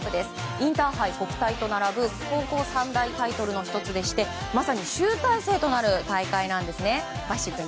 インターハイ、国体と並ぶ高校三大タイトルの１つでしてまさに集大成となる大会なんですね。